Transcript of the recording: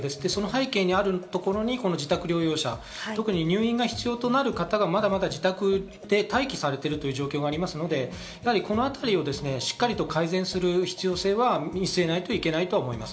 その背景にあるところにこの自宅療養者、特に入院が必要となる方がまだ自宅で待機されているという状況がありますので、このあたりをしっかりと改善する必要性は見せないといけないと思います。